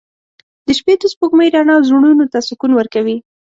• د شپې د سپوږمۍ رڼا زړونو ته سکون ورکوي.